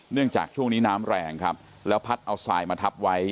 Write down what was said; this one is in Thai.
จากช่วงนี้น้ำแรงครับแล้วพัดเอาสายมาทับไว้